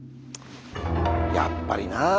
やっぱりなあ。